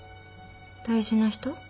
大事な人？